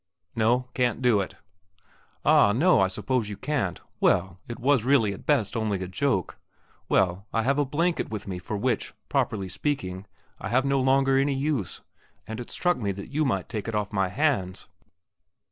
"No; can't do it." "Ah, no, I suppose you can't. Well, it was really at best only a joke. Well, I have a blanket with me for which, properly speaking, I have no longer any use, and it struck me that you might take it off my hands."